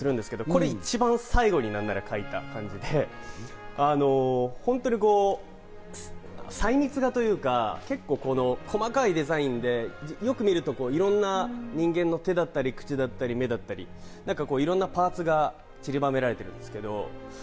これ、一番最後に描いたもので、細密画というか、結構細かいデザインで、よく見ると、いろんな人間の手だったり、口だったり目だったり、いろんなパーツがちりばめられているんですけど。